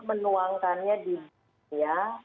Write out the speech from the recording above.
menuangkannya di dunia